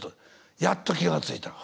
やっと気が付いたの。